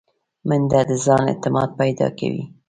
منډه د ځان اعتماد پیدا کوي